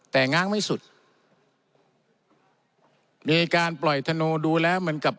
แต่ง้างไม่สุดมีการปล่อยธโนดูแล้วเหมือนกับ